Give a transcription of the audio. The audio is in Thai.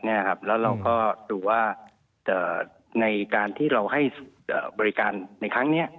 แล้วเราก็ดูว่าในการที่เราให้บริการในครั้งนี้